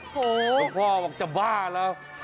ฮึว่าพ่อบอกจะบ้าล่ะ